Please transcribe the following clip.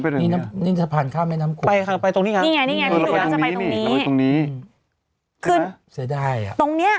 ใช่หมู่ไหนไงเธอ